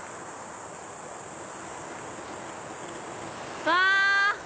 うわ！